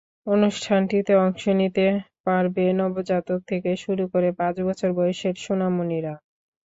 অনুষ্ঠানটিতে অংশ নিতে পারবে নবজাতক থেকে শুরু করে পাঁচ বছর বয়সের সোনামণিরা।